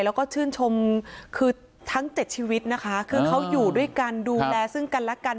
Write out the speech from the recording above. แล้วก็ชื่นชมคือทั้ง๗ชีวิตนะคะคือเขาอยู่ด้วยกันดูแลซึ่งกันและกัน